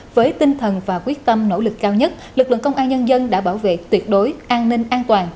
với tinh thần và quyết tâm nỗ lực cao nhất lực lượng công an nhân dân đã bảo vệ tuyệt đối an ninh an toàn